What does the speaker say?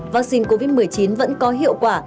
vaccine covid một mươi chín vẫn có hiệu quả